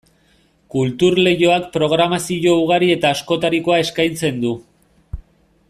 Kultur Leioak programazio ugari eta askotarikoa eskaintzen du.